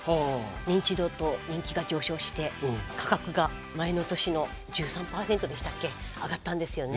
認知度と人気が上昇して価格が前の年の１３％でしたっけ上がったんですよね。